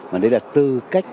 mà đây là tư cách